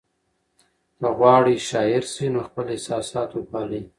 که غواړئ شاعر شئ نو خپل احساسات وپالئ.